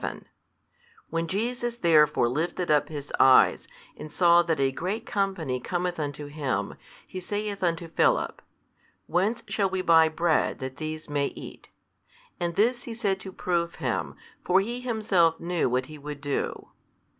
5, 6, 7 When Jesus therefore lifted up His Eyes and saw that a great company cometh unto Him, He saith unto Philip, Whence shall we buy bread that these may eat? and this He said to prove him, for He Himself knew what He would do.